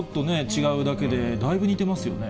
違うだけで、だいぶ似てますよね。